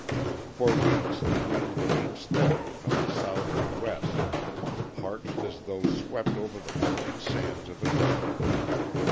For weeks the wind came steadily from the south and west, parched as though swept over the burning sands of a desert.